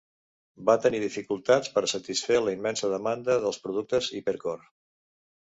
Van tenir dificultats per satisfer la immensa demanda dels productes Hypercolor.